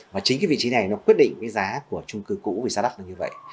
và chính cái vị trí này nó quyết định cái giá của trung cư cũ vì sao đắt được như vậy